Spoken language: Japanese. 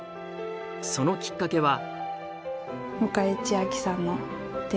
そのきっかけは。